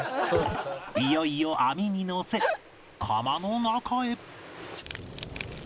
いよいよ網にのせ窯の中へ